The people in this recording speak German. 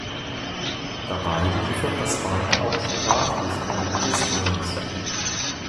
Dabei liefert das Band auch sprachlich einiges Neues.